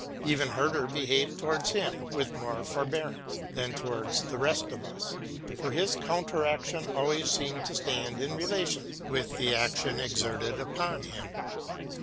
Even Herder behaved towards him with more forbearance than towards the rest of us, for his counter action always seemed to stand in relation with the action exerted upon him.